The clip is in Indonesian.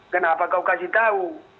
kenapa kau kasih tahu